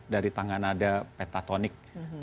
dari tanganada petatonik